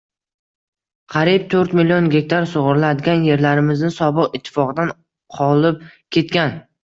Qariyb to'rt million gektar sug‘oriladigan yerlarimizni sobiq ittifoqdan qolib ketgan